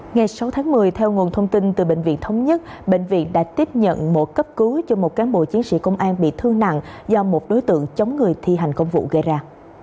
ngày sáu tháng một mươi theo nguồn thông tin từ bệnh viện thống nhất bệnh viện đã tiếp nhận một cấp cứu cho một cán bộ chiến sĩ công an bị thương nặng do một đối tượng chống người thi hành công vụ gây ra